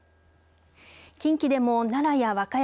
近畿でも奈良や和歌山